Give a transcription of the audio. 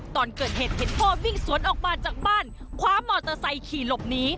ตอนเกิดเหตุเห็นพ่อวิ่งสวนออกมาจากบ้านคว้ามอเตอร์ไซค์ขี่หลบหนี